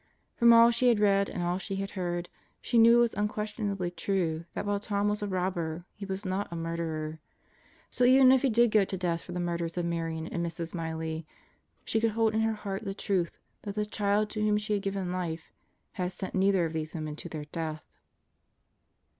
From all she had read and all she had heard, she knew it was unquestionably true that while Tom was a robber, he was not a murderer. So even if he did go to Sentenced to Birth 47 death for the murders of Marion and Mrs. Miley, she could hold in her heart the truth that the child to whom she had given life had sent neither of these women to their death.